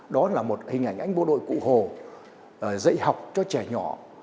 đó là một hình ảnh anh bộ đội cụ hồ dạy học cho trẻ nhỏ